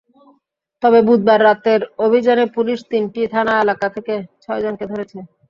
তবে বুধবার রাতের অভিযানে পুলিশ তিনটি থানা এলাকা থেকে ছয়জনকে ধরেছে।